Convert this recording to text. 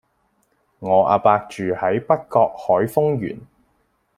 我阿伯住喺北角海峰園